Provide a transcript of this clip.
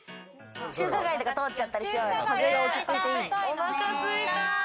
中華街とか通っちゃったりしお腹すいた。